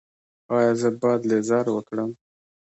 ایا زه باید لیزر وکړم؟